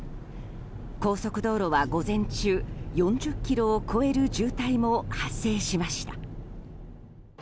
高速道路は午前中４０ｋｍを超える渋滞も発生しました。